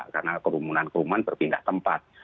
karena perhubungan perhubungan berpindah tempat